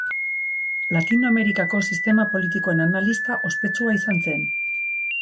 Latinoamerikako sistema politikoen analista ospetsua izan zen.